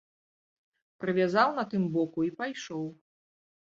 Прывязаў на тым боку і пайшоў.